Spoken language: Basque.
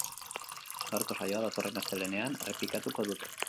Gaurko saioa datorren astelehenean errepikatuko dute.